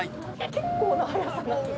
結構な速さな気が。